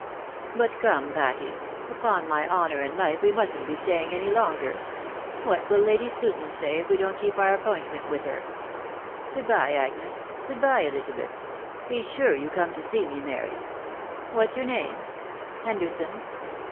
But, come Patty ! upon my honour and hfe we mustn't be staying any longer. What wiU Lady Susan say if we don't keep our appointment with her ? Good bjre, Agnes — good bye, Elizabeth — be sure you come to see me, Mary. What's your name? Henderson?